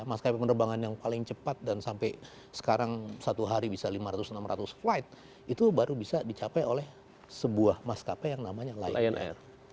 maskapai penerbangan yang paling cepat dan sampai sekarang satu hari bisa lima ratus enam ratus flight itu baru bisa dicapai oleh sebuah maskapai yang namanya lion air